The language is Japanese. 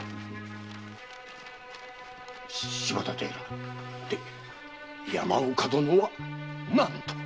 柴田殿山岡殿は何と？